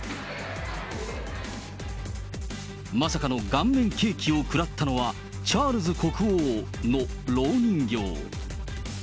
まさかの顔面ケーキを食らったのは、チャールズ国王のろう人形。